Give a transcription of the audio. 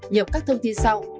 nhập các thông tin sau